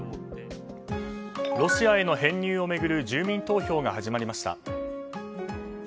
ロシアへの編入を巡る住民投票が始まりました。